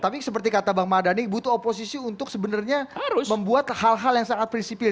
tapi seperti kata bang mardhani butuh oposisi untuk sebenarnya membuat hal hal yang sangat prinsipil